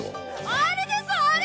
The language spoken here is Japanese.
あれですあれ！